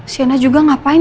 sianah juga ngapain